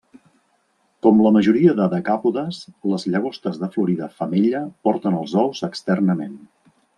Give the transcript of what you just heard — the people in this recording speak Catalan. Com la majoria de decàpodes, les llagostes de Florida femella porten els ous externament.